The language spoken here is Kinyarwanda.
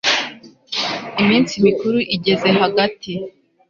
iminsi mikuru igeze hagati